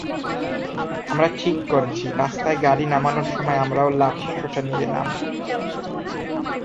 আমরা ঠিক করেছি, রাস্তায় গাড়ি নামানোর সময় আমরাও লাঠিসোঁটা নিয়ে নামব।